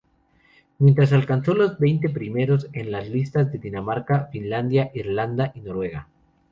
Mientras alcanzó los veinte primeros en las listas de Dinamarca, Finlandia, Irlanda y Noruega.